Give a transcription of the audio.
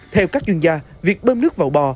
theo các chuyên gia việc bơm nước vào bò